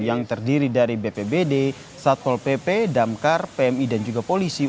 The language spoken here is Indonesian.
yang terdiri dari bpbd satpol pp damkar pmi dan juga polisi